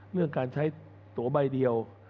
เรื่องการใช้ตัวใบเดียว